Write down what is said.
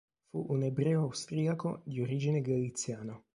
Fu un ebreo austriaco di origine galiziana.